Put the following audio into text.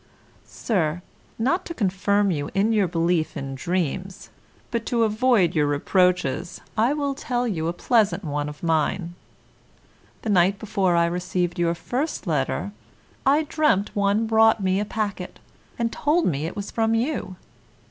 Sir, Not to confirm you in your belief in dreams, but to avoid your reproaches, I will tell you a pleasant one of mine. The night before I received your first letter, I dreamt one brought me a packet, and told me it was from you.